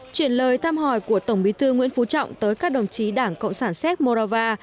chuyển lời thăm hỏi của tổng bí thư nguyễn phú trọng tới các đồng chí đảng cộng sản séc morava